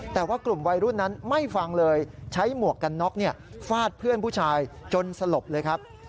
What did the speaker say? แต่ว่ากลุ่มวัยรุ่นนั้นไม่ฟังเลยใช้หมวกกันน็อกฟาดเพื่อนผู้ชายจนสลบเลยครับ